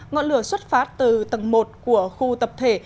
ngọn lửa xuất phát từ tầng một của khu tập thể